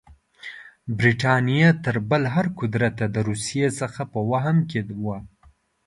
برټانیه تر بل هر قدرت د روسیې څخه په وهم کې وه.